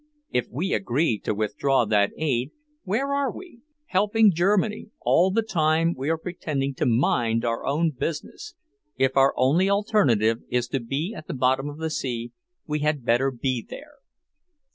If we agree to withdraw that aid, where are we? Helping Germany, all the time we are pretending to mind our own business! If our only alternative is to be at the bottom of the sea, we had better be there!"